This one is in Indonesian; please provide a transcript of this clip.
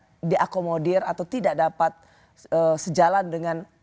yang diakomodir atau tidak dapat sejalan dengan